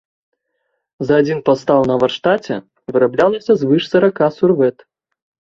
За адзін пастаў на варштаце выраблялася звыш сарака сурвэт.